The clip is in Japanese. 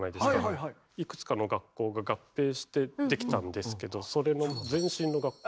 いくつかの学校が合併してできたんですけどそれの前身の学校。